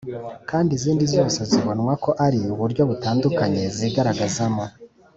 kandi izindi zose zibonwa ko ari uburyo butandukanye zigaragazamo.